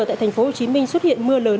tại tp hcm xuất hiện mưa lớn